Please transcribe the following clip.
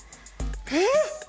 えっ！